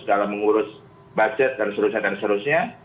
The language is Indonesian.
dalam mengurus budget dan sebagainya